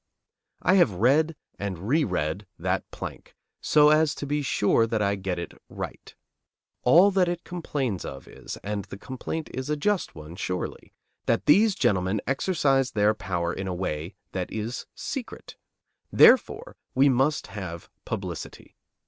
I have read and reread that plank, so as to be sure that I get it right. All that it complains of is, and the complaint is a just one, surely, that these gentlemen exercise their power in a way that is secret. Therefore, we must have publicity.